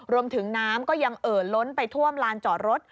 รวมถึงน้ำก็ยังเอ่อล้นไปท่วมลานจอดรถ